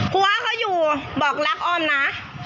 หัวเขาอยู่บอกรักอ้อมนะ